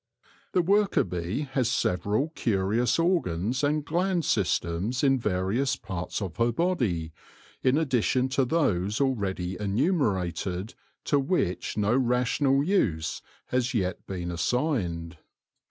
The worker bee has several curious organs and gland systems in various parts of her body, in addition to those alread3' enumerated, to which no rational use has yet been assigned.